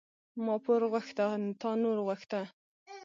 ما پور غوښته، تا نور غوښته.